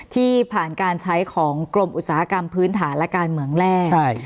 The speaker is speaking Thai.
ที่ผ่านการใช้ของกรมอุตสาหกรรมพื้นฐานและการเมืองแรก